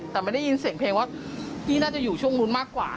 แต่ไม่ได้ยินเสียงเพลงว่าพี่น่าจะอยู่ช่วงนู้นมากกว่า